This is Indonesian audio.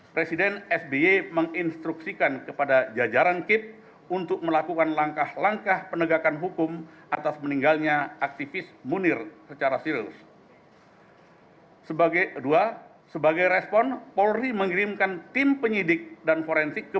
presiden sby menginstruksikan kepada jajaran kip untuk melakukan langkah langkah penegakan hukum atas meninggalnya aktivis munir secara serius